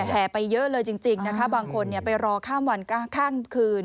แห่ไปเยอะเลยจริงนะคะบางคนไปรอข้ามวันข้ามคืน